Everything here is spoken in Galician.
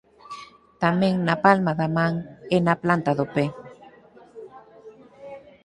Tamén na palma da man e na planta do pé.